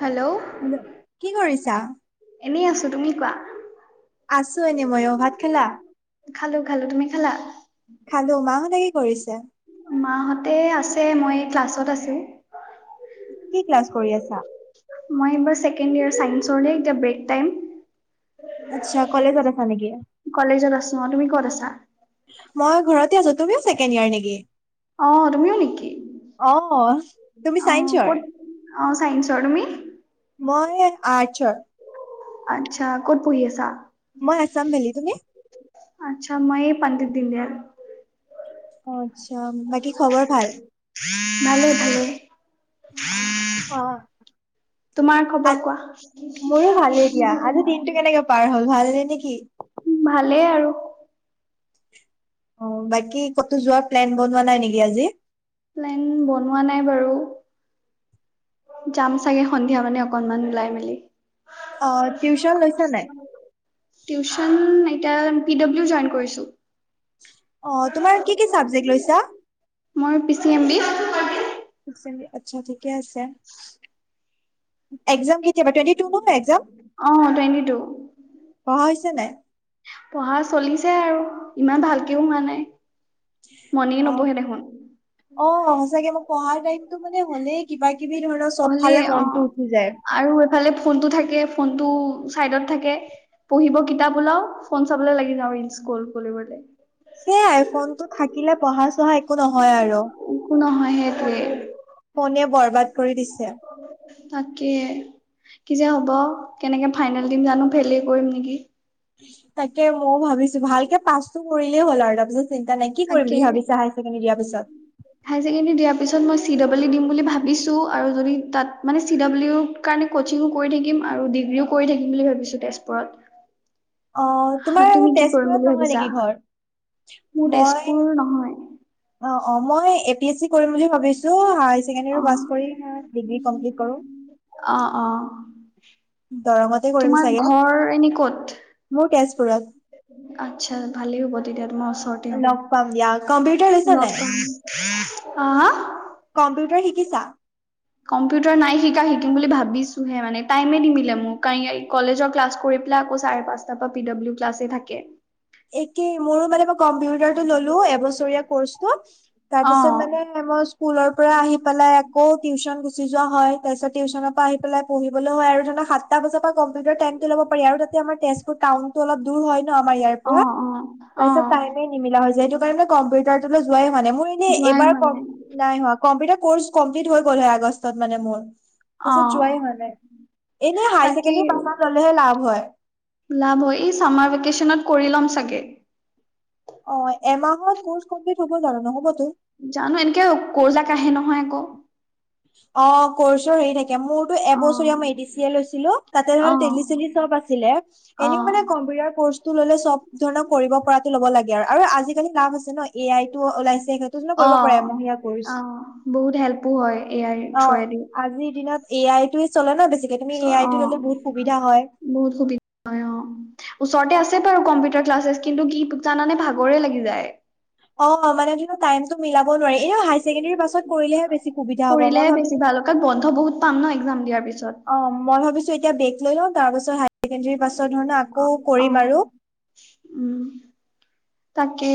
Hello hello, কি কৰিছা? এনেই আছোঁ, তুমি কোৱা আছো এনেই মইও, ভাত খালা? খালো খালো, তুমি খালা? খালো, মাহঁতে কি কৰিছে? মাহঁতে আছে মই ক্লাছত আছে। কি ক্লাছ কৰি আছা? মই এইবাৰ ছেকেণ্ড য়াৰ চাইন্চৰ‌ এতিয়া ব্ৰেক টাইম। আচ্ছা কলেজত আছা নেকি? কলেজত আছো, অঁ তুমি ক'ত আছা? মই ঘৰতে আছো, তুমিও চেকেণ্ড ইয়াৰ নেকি? অঁ, তুমিওঁ নেকি? অ'। তুমি অঁ চাইন্সৰ? ক'ত অঁ চাইঞ্চৰ তুমি? মই আৰ্টচৰ। আচ্ছা ক'ত পঢ়ি আছা? মই আছাম ভেলি তুমি? আচ্ছা মই এই পাণ্ডু দিন দিয়াত। অ আচ্ছা বা ভালেই ভালেই। অ' তোমাৰ আ- খবৰ কোৱা? মোৰো ভালেই দিয়া। আজি দিনটো কেনেকে পাৰ হল ভালনে নেকি? ভালেই আৰু। অঁ, বাকী কতো যোৱাৰ প্লেন বনোৱা নাই নেকি আজি? প্লেন বনোৱা নাই বাৰু? যাম চাগে সন্ধিয়া মানে অকনমান ওলাই মেলি। অঁ টিউচন লৈছা নাই? টিউশচন এতিয়া পি ডব্লিউ জইন কৰিছোঁ। অঁ, তোমাৰ কি কি চাবজেক্ট লৈছা? মই P C M D.. P C M দি আচ্ছা ঠিকে আছে, এক্সাম কেতিয়াৰ পৰা টুৱেন্টি টু ন এক্সাম। অঁ টুৱেণ্টি টু। পঢ়া হৈছে নাই? পঢ়া চলিছে আৰু ইমান ভালকেও হোৱা নাই, মনে নবহে দেখোন। অঁ সচাকে মই পঢ়াৰ টাইমতটো মানে হলেই কিবা কিবি ধৰক অলি অঁ আৰু এফালে ফোনটো থাকে ফোনটো চাইডত থাকে। পঢ়িব কিতাপ উলাও, ফোন চাবলে লাগি যাওঁ ৰিলচ স্কৰ্ল কৰিবলে। হে আইফোনটো থাকিলে পঢ়া চহা এক একো নহয় আৰু, একো নহয় সেইটোৱে ফোনে ফোনে বৰবাদ কৰি দিছে। তাকে কি যে হ'ব কেনেকে ফাইনেল দিম জানো ফেইলেই কৰিম নেকি। তাকেই মইও ভাবিছো ভালকে পাছটো কৰিলেই হ'ল আৰু তাৰ চিন্তা নাই কি কৰিম বুলি তাকে ভাবিছা হায়াৰ ছেকেণ্ডাৰী দিয়াৰ পিছত? হায়াৰ ছেকেণ্ডেৰী দিয়াৰ পিছত মই চি ডাব্লিউ দিম বুলি ভাবিছোঁ আৰু যদি তাত মানে চি ডাব্লিউ কাৰণে ক'চিঙো কৰি থাকিম আৰু ডিগ্ৰীও কৰি থাকিম বুলি ভাবিছোঁ তেজপুৰত। অঁ তোমাৰ তুমি কি কৰিম তেজপুৰত বুলি নহয় ভাবিছা? নেকি ঘৰ? মোৰ মই তেজপুৰ নহয় অঁ অঁ মই এ পি এছ চি কৰিম বুলি ভাবিছো, হায়াৰ চেকেণ্ডেৰী পাছ কৰিই ডিগ্ৰী কমপ্লিট কৰো। অঁ অঁ, দৰঙতে কৰিম তোমাৰ চাগে ঘৰ এনেই ক'ত? মোৰ তেজপুৰত। আচ্ছা ভালেই হ'ব তেতিয়াহলে তোমাৰ ওচৰতে হব, লগ পাম দিয়া কম্পিউটাৰ লৈছা নাই লগ পাম। অঁ হা। কম্পিউটাৰ শিকিছা? কম্পিউটাৰ নাই শিকা শিকিম বুলি ভাবিছোহে মানে টাইমটো নিমিলে মোৰ, কলেজৰ ক্লাছ কৰি চাৰে পাচটা পৰা আকৌ পি ডব্লিউ ক্লাছো থাকে। একেই, মোৰো মানে মই কম্পিউটাৰটো ল'লো এবছৰীয়া কৰ্চটো। তাৰপিছত অ'। মানে মই স্কুলৰ পৰা আহি পেলাই আকৌ টিউশ্যন গুচি যোৱা হয়, তাৰ পিছত টিউশ্যনৰ পৰা আহি পেলাই পঢ়িবলৈ হয়। আৰু ধৰিল সাত টা বজাৰ পৰা কম্পউটাৰ টাইমটো ল'ব‌ পাৰি। আৰু তাতে আমাৰ তেজপুৰ টাউনো অলপ দূৰ হয় ন, আম ইয়াৰ অ পৰা। অ অ তাৰপিছত টাইমে নিমিলা হৈ যায়। সেইটো কাৰণে মই কম্পিউটাৰটোলৈ যোৱাই হোৱা নাই। মানে মোৰ যোৱাই এইবাৰ হোৱা নাই নাই কম্পিউটাৰ কৰ্চ কমপ্লিট হৈ গ'ল হয় আগষ্টত মানে মোৰ। অ তাৰপিছত যোৱাই হোৱা নাই। এনেই হায়াৰ তাকে ছেকেণ্ডৰীৰ পাছত ল'লেহে লাভ হয়। লাভ হয়। এই চামাৰ ভেকেশ্যনত কৰি ল'ম চাগে। অ' এমাহত কৰ্চ কমপ্লিট হ'ব জানো নহ'বতো? জানো এনেকে ক যাক আহে নহয় আকৌ। অ' কৰ্চৰ হেৰি থাকে। মোৰ অ এবছৰীয়া মই এডি চি এ লৈছিলো, তাতে ধৰা অ তেলি চেলি চব আছিলে। অ এনেও মানে কম্পিউটাৰ কৰ্চটো ল'লে চব ধৰণৰ কৰিব পৰাটো ল'ব লাগে আৰু। আৰু আজিকালি লাভ আছে ন। 'এ আই' টো ওলাইছে, সেইটো জানো অ কৰিব পাৰে এমহীয়া অ ক'ৰ্চ। বহুত হেল্পো হয় এ আই অ থোৰেদিও। আজিৰ দিনত এ আই টো চলে ন বেছিকে? তুমি চ- এ অ আই টো ল'লে বহুত সুবিধা হয়। বহুত সুবিধা হয় অ'। ওচৰতে আছে বাৰু কম্পিউটাৰ ক্লাছেছ। কিন্তু কি জানানে? ভাগৰে লাগি যায়। অ' মানে হেনো টাইমটো মিলাব নোৱাৰে। এই হাই কেণ্ডেৰী পাছত কৰিলেহে বেছি সুবিধা হ'ব, মই কৰিলেহে বেছি ভাবিছো ভাল কাৰন বন্ধ বহুত পাম ন এক্জাম দিয়াৰ পিছত অ' মই ভাবিছো এতিয়া বে গ লৈ লওঁ, তাৰ পাছত হাযই ছেকেণ্ডেৰী পাছৰ ধৰনে আকৌ অ কৰিম আৰু। উম, তাকে।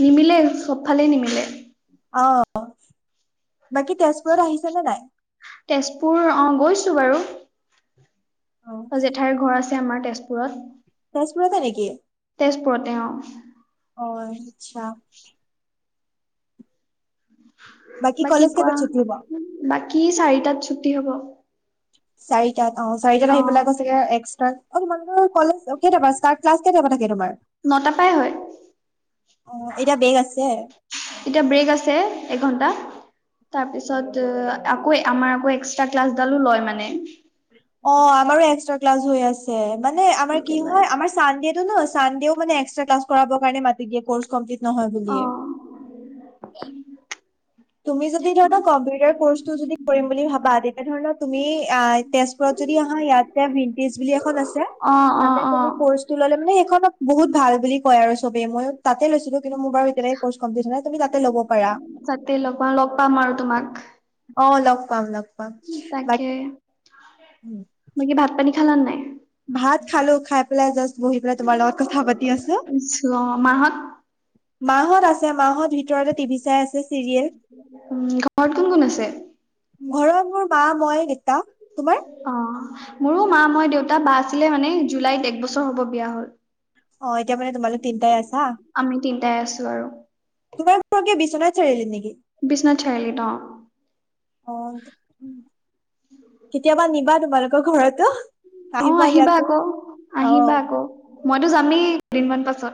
নিমিলে চবফালে নিমিলে। অ' বাকী তেজপুৰত আহিছা নে নাই? তেজপুৰ অঁ গৈছোঁ বাৰু। অ জেঠাইৰ ঘৰ আছে আমাৰ তেজপুৰত। তেজপুৰতে নেকি? তেজপুৰতে অ'। অ' আচ্ছা। বাকী কলেজ কোৱা? কেইটাত ছুটি হ'ব বাকী চাৰিটাত ছুটি হ'ব। চাৰিটাত অ' চাৰিটাত আহি পেলাই চাগে এক্সষ্ট্ৰা, অ' তোমালোকৰ কলেজ কেইটাৰপা ষ্টাৰ্ট ক্লাছ কেইটাৰপা থাকে তোমাৰ? নটা পৰাই অ হয়। এতিয়া বেক আছে এতিয়া ব্ৰেক আছে এঘণ্টা। তাৰ পিছত আকৌ আমাৰ আকৌ এক্সট্ৰা ক্লাছডালো লয় মানে। অ' আমাৰো এক্সট্ৰা ক্লাছ হৈ আছে। মানে আমাৰ কি একেবাৰে হয় আমাৰ চানডেটো ন চানডেও মানে এক্সট্ৰ ক্লাছ কৰাৰ কাৰণে মাতি দিয়ে কৰ্চ কমপ্লিট নহয় অ বুলায়ে। তুমি যদি কম্পিউটাৰ কৰ্চটো যদি কৰিম বুলি ভাবা, তেতিয়া ধৰিল তুমি তেজপুৰত যদি আহা ইয়াতে ভন্টিজ বুলি এখন আছে, অ অ তাতে অ তুমি কৰ্চটো ল'লে মানে সেইখন বহুত ভাল বুলি কয় আৰু চবে, মই তাতে লৈছিলো। কিন্তু মোৰ বাৰু কৰ্চ কমপ্লিট হোৱা নাই। তুমি তাতে ল'ব পাৰা। তাতে লগ পাম, লগ পাম আৰু তোমাক। অ' লগ পাম লগ পাম। বা তাকে বাকী ভাত পানী খালানে নাই? ভাত খালো, খাই পেলাই যাষ্ট বহি পেলাই তোমাৰ লগত কথা পাতি আছো। নাই অ মাহত মাঁ হ'ত আছে, মাহ'ত ভিতৰতে টিভি চাই আছে। চিৰিয়েল উম, ঘৰত কোন কোন আছে? ঘৰত মোৰ মা মই দেতা। অ' মোৰো মা মই দেউতা বা আছিলে মানে জুলাইত এক বছৰ হব বিয়া হ'ল। অ' এতিয়া মানে তোমালোক তিন তাই আছা? আমি তিনটাই আছো আৰু তোমাৰ ঘৰ কি বিশ্বনাথ চাৰিআলিত নেকি? বিশ্বনাথ চাইআলি ত অ' অ ' কেতিয়াবা নিবা তোমালোকৰ ঘৰতো। অ' আহিবা আকৌ অ আহিবা আকৌ মইতো যামেই কেইদিনমান পাছত।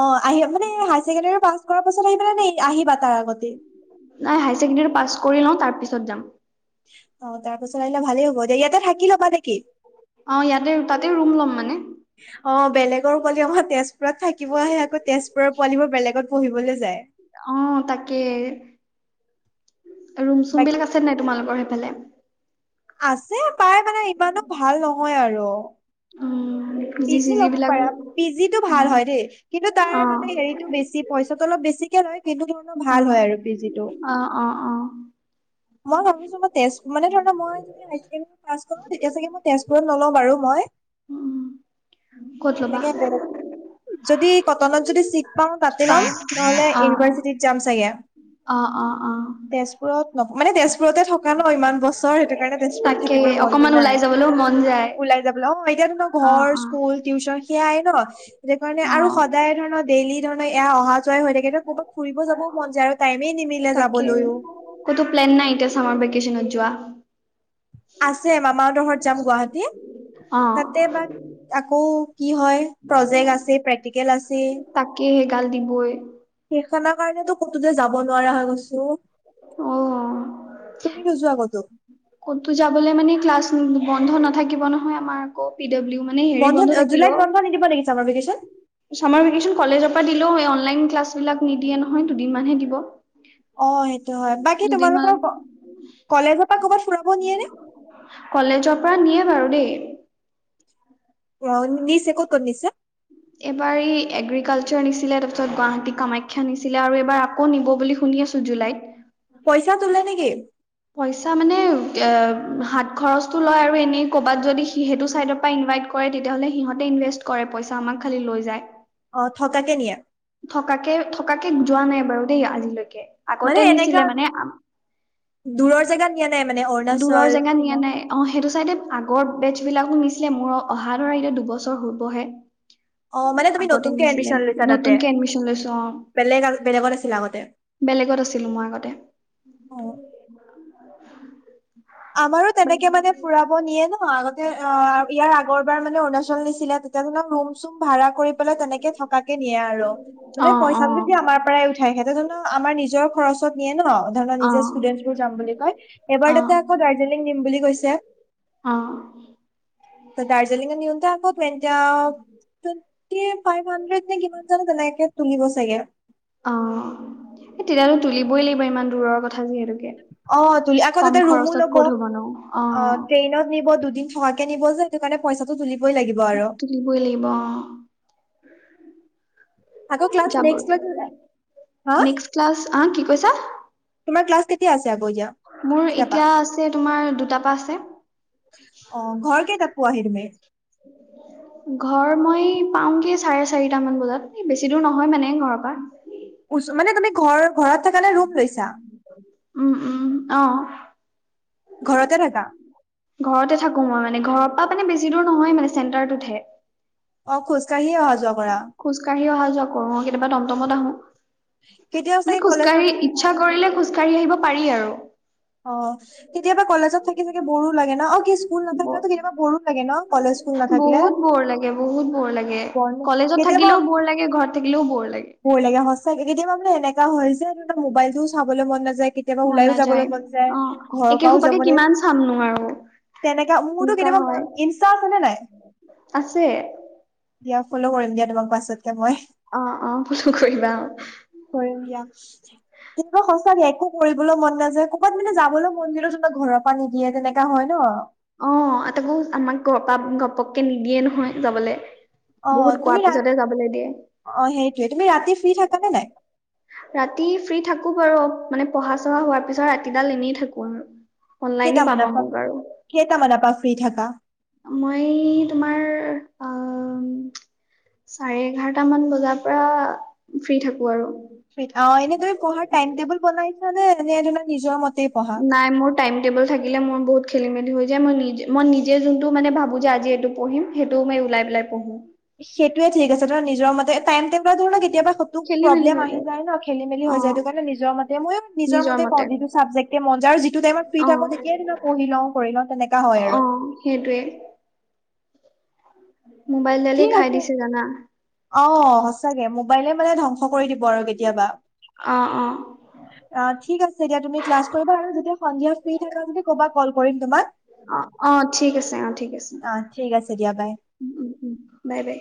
অ', আহি মানে হাই ছেকেণ্ডেৰী পাছ কৰাৰ পাছত আহি পেলে নে এ, আহিবা তাৰ আগতে? নাই, হাই ছেকেণ্ডেৰীটো পাছ কৰি লওঁ তাৰ পিছত যাম। অ', তাৰ পাছত আহিলে ভালেই হ'ব দে। ইয়াতে থাকি ল'বা নেকি? অ', ইয়াতে, তাতে ৰুম ল'ম মানে। [inaudible] অ', বেলেগৰ পোৱালি আমাৰ তেজপুৰত থাকিব আহে, আকৌ তেজপুৰৰ পোৱালিবোৰ বেলেগত পঢ়িবলৈ যায়। অ', তাকে। ৰুম- চুম বাক বিলাক আছে নাই তোমালোকৰ সেইফালে? আছে, পাই মানে ইমানো ভাল নহয় আৰু। উ, পি জি পিজি-চিজি ল'ব বিলাকো পাৰা পি জিটো ভাল অ', হয় দেই, কিন্তু তাৰ অ', মানে হেৰিটো বেছি, পইচাটো অলপ বেছিকে লয় কিন্তু কি হয় ভাল অ', হয় আৰু পি জিটো। অ', অ', অ'। মই ভাবিছো মই তেজ, মানে ধৰি লোৱা মই [unintelligible] পাছ কৰো তেতিয়া চাগে মই তেজপুৰত নলও বাৰু মই উম, ক'ত ল'বা? এনেকে বেলেগ। যদি কটনত যদি চিত পাও তাতে পা ল'ম, নহলে অ ইউনিভাৰ্চিটিত যাম চাগে। অ অ অ তেজ পুৰত ন, মানে তেজপুৰতে থকা ন, ইমান বছৰ সেইটোকাৰণে তেজপুৰত তাকে থাকিবলে মনতটো অকমান ওলাই নাই। যাবলৈও মন যায় ওলাই যাবলে অ', এতিয়াতো ত' অ ঘৰ, অ স্কুল, টিউশন সেয়াই ন! সেইকাৰণে অ আৰু সদায় ধৰি লোৱা ডেইলি ধৰণৰ এয়া অহা যোৱায়ে হৈ থাকে ত', ক'ৰবাত ফুৰিব যাবও মন যায় আৰু টাইমে নিমি তাকে, কতো প্লেন নাই এতিয়া চামাৰ ভেকেচনত যোৱা? আছে, মামাহতৰ ঘৰত যাম গুৱাহাটী। অ তাতে বা আকৌ কি হয়, প্ৰজেক আছে, প্ৰেক্টিকেল আছেই। তাকে, সেইগাল দিবই। সেইখনৰ কাৰণেটো কতোতে যাব নোৱাৰা হৈ গৈছো। অ তুমি নোযোৱা কতো? ক'তো যাবলে মানে ক্লাছ বন্ধ নাথাকিব নহয়, আমাৰ আকৌ পিডাব্লিউ বন্ধত অ', জুলাইত বন্ধ নিদিব নিকি, চামাৰ ভেকেচন? চামাৰ ভেকেচন কলেজৰ পৰা দিলেও এ, অনলাইন ক্লাছ বিলাক নিদিয়ে নহয়, দুদিনমানহে দিব। অ', সেইটো হয়। বাকী দুদিনমান তোমালোকৰ ক-কলেজৰ পৰা ক'বাত ফুৰাব নিয়ে নে? কলেজৰ পৰা নিয়ে বাৰু দেই। পোৰণ নিছে, ক'ত-ক'ত নিছে? এবাৰ ই এগ্ৰিকালচাৰ নিছিলে, তাৰপিছত গুৱাহাটী কামাখ্যা নিছিলে আৰু এইবাৰ আকৌ নিব বুলি শুনি আছ জুলাইত। পইচা তোলে নেকি? পইচা মানে এ, হাত খৰচটো লয় আৰু এনেই ক'বাত যদি সি-সেইটো চাইডৰ পৰা ইনভাইট কয়ে তেতিয়াহ'লে সিহঁতে ইনভেষ্ট কৰে পইচা, আমাক খালি লৈ যায়। অ', থকাকে নিয়ে? থকাকে, থকাকে যোৱা নাই বাৰু দেই আজিলৈকে। আগতে মানে এনেকা, নিছিলে মানে দূৰৰ জেগাত নিয়া নাই মানে, দূৰৰ অৰুণাচল, জেগাত নিয়া শ্বিলং? নাই অ', সেইটো চাইডে আগৰ বেট্ছ বিলাকো নিছিলে। মোৰ অহা ধৰা এতিয়া দুবছৰ হ'বহে। অ মানে তুমি আগতে নতুনকে নিছিলে। এডমিশন লৈছা তাতে নতুনকে এডমিচন লৈছো। অ'। বেলেগ বেলেগত আছিলা আগতে বেলেগত আছিলোঁ মই আগতে। অ [inaudible] আমাৰো তেনেকে মানে ফুৰাব নিয়ে ন! আগতে অ', ইয়াৰ আগৰবাৰ মানে অৰুণাচল নিছিলে, ত তেনেকোৱা ৰুম-চুম ভাড়া কৰি পেলাই তেনেকে থকাকে নিয়ে আৰু, অ মানে অ পইচা-পাতি আমাৰ পৰাই উঠা য়, সেইটো জানো আমাৰ নিজৰ খৰচত নিয়ে ন, ধৰি লোৱা, অ', নিজে ষ্টুডেন্ট বোৰ যাম বুলি কয়, এবাৰ তাতে অ', আ ত', দাৰ্জিলিং নিম বুলি কৈছে। অ'। তে দাৰ্জিলিংত নিওঁতে আকৌ [unintelligible] কী ফাইভ হান্দ্ৰেড নে কিমান জানো তেনেকে খুলিব চাগে? অ', এ তেতিয়া লৈ তুলিবই লাগিব ইমান দূৰৰ কথা যিহেতুকে। অ', তুলি আকৌ কম তাতে ৰুমো খৰচত ল'ব ক'ত অ', হ'ব নো অ', ট্ৰেইনত নিব দুদিন থকা কে নিব যে সেইটো কাৰণে পইচাটো তুলিবই লাগিব আৰু। দিবই লাগিব অ'। আকৌ ক্লাছ যাব, নেক্সট হা নেক্সট ক্লাছ আ কি কৈছা? তোমাৰ ক্লাছ কেতিয়া আছে আকৌ এতিয়া? মোৰ কেইটাৰ পৰা এতিয়া আছে তোমাৰ দুটা পা আছে। অ', ঘৰ কেইতাত পোৱাহি তুমি? [inaudible] ঘৰ মই পাওঁগে চাৰে চাৰিটা মান বজাত এ, বেছি দূৰ নহয় মানে ঘৰৰ পৰা। উচ মানে তুমি ঘৰ-ঘৰত থাকা নে ৰুম লৈছা? উম, উম, অ'। ঘৰতে থাকা? ঘৰতে থাকো মই মানে ঘৰৰ পৰা মানে বেছি দূৰ নহয় মানে, চেণ্টাৰটোতহে। অ', খোজকাঢ়ি অহা যোৱা কৰা? খোজ কাঢ়ি অহা যোৱা কৰো অ', কেতিয়াবা টমটমত আহো, কেতিয়াও মানে চাগে কলেজ খোজকাঢ়ি নাথাকি ইচ্ছা কৰিলে খোজ কাঢ়ি আহিব পাৰি আৰু। অ', কেতিয়াবা কলেজত থাকি চাগে ব'ৰো ন' অ', কিচ স্কুল নাথাকিলেতো কেতিয়াবা ব'ৰো লাগে ন' কলেজ স্কুল নাথাকিলে? বহুত বৰ লাগে বহুত বৰ লাগে। বৰ কলেজত থাকিলেও বৰ লাগে। ঘৰত থাকিলেও বৰ লাগে। ভয় লাগে সঁচাকে কেতিয়াবা মানেএনেকা হৈযে [unintelligible] মোবাইলটো চাবলৈ মন নাযায়, কেতিয়াবা মন ওলাইও যাবলৈ নাযায় মন অ ঘৰ একে পাওঁ সোপাকে যাবলে- কিমান চামনো আৰু তেনেকা মোৰটো এনেকুৱা কেতিয়াবা হয়। মই, ইনষ্টা আছে নে নাই? আছে। দিয়া ফলো কৰিম দিয়া তোমাক পাছতকে মই। অ' অ' [unintelligible] কৰিবা অ'। কৰিম দিয়া। কিন্তু সঁচাকে, একো কৰিবলৈ মন নাযায় ক- ক'বাত মানে যাবলৈ মন গ'লেওচোন তই ঘৰৰ পা যাব নিদিয়ে, তেনেকা হয় ন'। অ' আ তাকো আমাক ঘৰৰ পা ঘপক্কে নিদিয়ে নহয় যাবলে। অ' বহুত কোৱাৰ তুমি ৰাত পিছতে যাবলৈ দিয়ে। অ সেইটোৱে তুমি ৰাতি ফ্ৰী থাকা নে নাই? ৰাতি ফ্ৰী থাকোঁ বাৰু। মানে পঢ়া-চঢ়া হোৱাৰ পিছত ৰাতিডাল এনেই থাকোঁ আৰু। অনলাইনে কেইটামানৰ পাবা পা মোক আৰু। কেইটামানৰ পা ফ্ৰী থাকা? অ', মই তোমাৰ অ' - উম, চাৰে এঘাৰটামান বজাৰ পৰা ফ্ৰী থাকো আৰু। অ', এনে তুমি পঢ়াৰ টাইম-টেবুল বনাইছা নে এনে তোমাৰ নিজৰ মতেই পঢ়া? নাই মোৰ টাইম-টেবুল থাকিলে মোৰ বহুত খেলিমেলি হৈ যায়। মই নিজে, মই নিজে যোনটো মানে ভাবোঁ যে আজি এইটো- পঢ়িম, সেইটো মই উলাই পেলাই পঢ়ো। সেইটোয়ে ঠিক আছে। ধৰা নিজৰ মতে টাইমটো বা ধৰি ল' কেতিয়াবা স - তুক খেলি মেলি প্ৰব্লেম হৈ আহি যায় ন' খেলিমেলি অ হৈ যায়। এইটো কাৰণে নিজৰ মতে, মইয়ো নিজৰ মতে কওঁ, যিটো চাবজেক্ট- এ মন যায়। আৰু যিটো টাইমত ফ্ৰী অ থাকোঁ তেতিয়াই যেনিবা পঢ়ি লওঁ-কৰি লওঁ তেনেকা হয় অ আৰু। সেইটোৱে। ম'বাইল দালে খাই দিছে জানা। অহ, সঁচাকে। ম'বাইলে মানে ধ্বংস কৰি দিব আৰু কেতিয়াবা। অ' অ' অ', ঠিক আছে দিয়া। তুমি ক্লাছ কৰিবা আৰু যেতিয়া সন্ধিয়া ফ্ৰী থাকা যদি কবা, ক'ল কৰিম তোমাক? অহ, অ' ঠিক আছে, অ' ঠিক আছে। অ ঠিক আছে দিয়া বাই উম, উম, বাই, বাই।